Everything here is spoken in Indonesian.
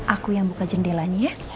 aku yang buka jendelanya ya